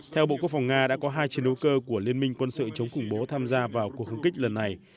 theo bộ quốc phòng nga đã có hai chiến đấu cơ của liên minh quân sự chống khủng bố tham gia vào cuộc không kích lần này